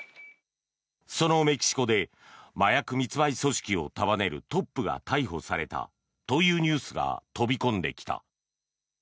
そのメキシコで麻薬密売組織を束ねるトップが逮捕されたというニュースが飛び込んできた。